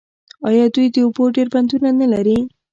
آیا دوی د اوبو ډیر بندونه نلري؟